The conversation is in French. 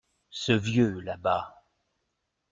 Ce vieux là-bas.